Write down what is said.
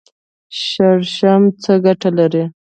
شړشم څه ګټه لري؟